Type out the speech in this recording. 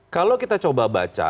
kalau kita coba baca